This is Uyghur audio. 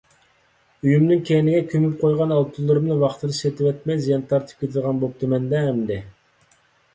ئۆيۈمنىڭ كەينىگە كۆمۈپ قويغان ئالتۇنلىرىمنى ۋاقتىدا سېتىۋەتمەي زىيان تارتىپ كېتىدىغان بوپتىمەن-دە ئەمدى!